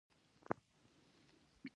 دا صنعتونه د خلکو د ژوند سطحه لوړوي.